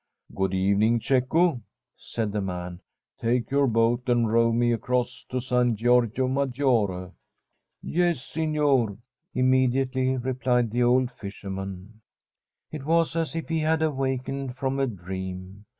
' Good evenmg, Cecco,' said the man ;' take your boat and row me across to San Giorgio Mag g^ore.' ' Yes, signor,' immediately replied the old fish erman. It was as if he had awakened from a dream.